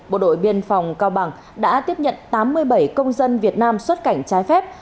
bộ đội biên phòng cao bằng đã tiếp nhận tám mươi bảy công dân việt nam xuất cảnh trái phép